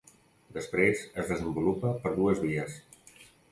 Després es desenvolupa per dues vies.